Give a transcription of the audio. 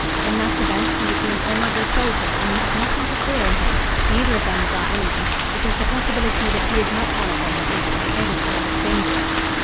"In that event, he would be an honorable soldier, and we have nothing to fear in him. Neither of them is our enemy. It is the possibility that he is not one of them that makes his presence here look dangerous."